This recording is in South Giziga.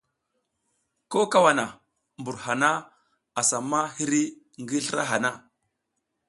Ko kawana mbur hana asa ma hiri ngi slra hana.